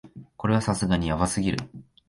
これはさすがにヤバすぎる